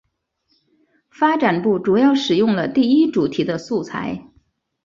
发展部主要使用了第一主题的素材。